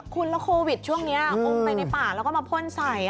คุณแล้วโควิดช่วงนี้อุ้มไปในป่าแล้วก็มาพ่นใส่